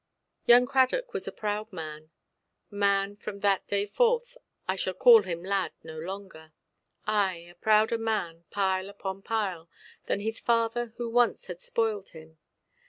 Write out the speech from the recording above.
Young Cradock was a proud man—man from that day forth, I shall call him "lad" no longer—ay, a prouder man, pile upon pile, than the father who once had spoiled him.